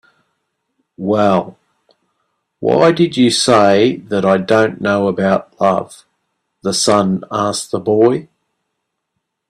"Well, why did you say that I don't know about love?" the sun asked the boy.